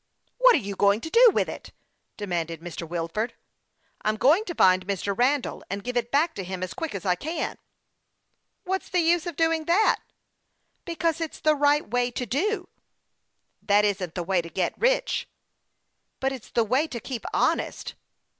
" What are you going to do with it ?" demanded Mr. Wilford. " I'm going to find Mr. Randall, and give it back to him, as quick as I can." "What's the use of doing that?" " Because it's the right way to do." " That isn't the way to get rich." ' But it's the way to keep honest."